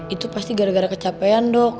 itu pasti gara gara kecapean dok